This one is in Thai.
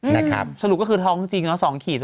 นะครับสรุปก็คือท้องจริงนะ๒ขีด